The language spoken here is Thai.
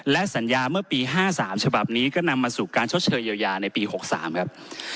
และสัญญาเมื่อปี๕๓ฉบับนี้ก็นำมาสู่การชดเชยเยียวยาในปี๖๓ครับ